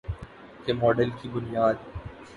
کے ماڈل کی بنیاد